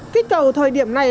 kích cầu thời điểm này